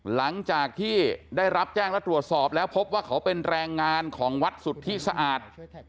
หลังจากที่ได้รับแจ้งและตรวจสอบแล้วพบว่าเขาเป็นแรงงานของวัดสุทธิสะอาด